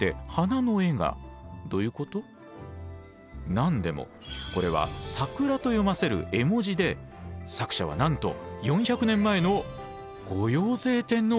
何でもこれは「桜」と読ませる絵文字で作者はなんと４００年前の後陽成天皇なんです。